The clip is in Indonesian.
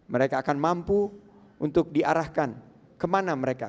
mereka akan mampu untuk diarahkan kemana mereka